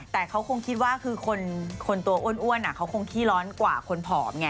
แต่เขาคงคิดว่าคือคนตัวอ้วนเขาคงขี้ร้อนกว่าคนผอมไง